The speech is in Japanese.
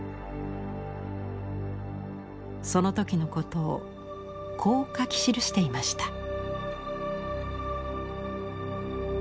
その時のことをこう書き記していました。